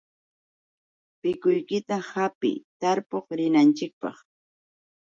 Pikuykita hapiy, tarpuq rinanchikpaq.